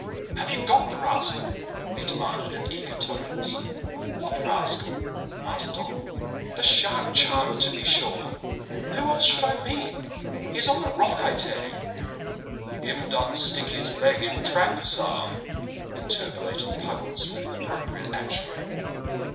"Have you got the rascal?" he demanded in eager tones.. "What rascal?" asked Don. "The shark charmer, to be sure. Who else should I mean? He's on the Rock, I tell you!" "Him done stick his leg in trap, sa'b," interpolated Puggles, with appropriate action.